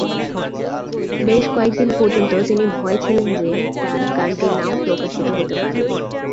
বেশ কয়েক দিন পর্যন্ত, তিনি ভয় ছিলেন যে তার গানটি নাও প্রকাশিত হতে পারে।